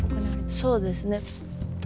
そうですね。